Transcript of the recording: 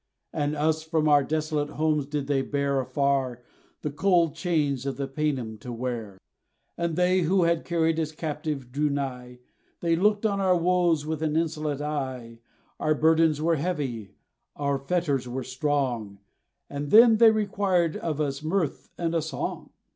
And us, from our desolate homes did they bear Afar, the cold chains of the Painim to wear. And they, who had carried us captive, drew nigh; They looked on our woes with an insolent eye; Our burdens were heavy, our fetters were strong; And then, they required of us mirth and a song!